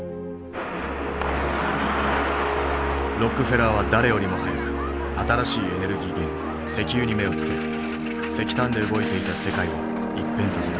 ロックフェラーは誰よりも早く新しいエネルギー源石油に目をつけ石炭で動いていた世界を一変させた。